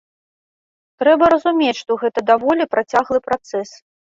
Трэба разумець, што гэта даволі працяглы працэс.